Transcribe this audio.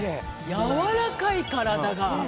やわらかい、体が。